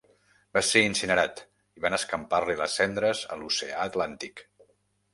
Va ser incinerat, i van escampar-li les cendres a l'oceà Atlàntic.